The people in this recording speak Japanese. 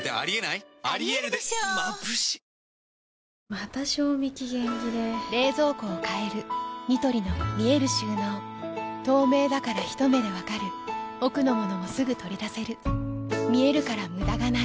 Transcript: また賞味期限切れ冷蔵庫を変えるニトリの見える収納透明だからひと目で分かる奥の物もすぐ取り出せる見えるから無駄がないよし。